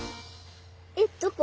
えっどこ？